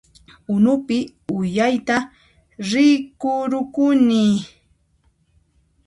Unupi uyayta rikurukuni